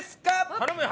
頼むよ。